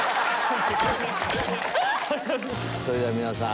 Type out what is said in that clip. それでは皆さん